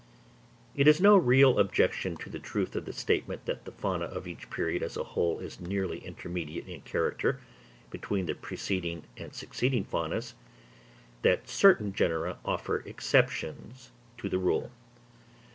It is no real objection to the truth of the statement that the fauna of each period as a whole is nearly intermediate in character between the preceding and succeeding faunas, that certain genera offer exceptions to the rule.